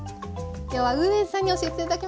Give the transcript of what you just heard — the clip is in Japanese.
今日はウー・ウェンさんに教えて頂きました。